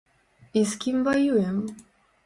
І з кім ваюем?